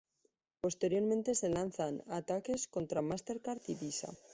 Posteriormente se lanzan ataques contra Mastercard y Visa.